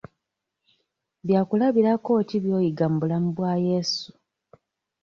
Bya kulabirako ki by'oyiga mu bulamu bwa yeezu?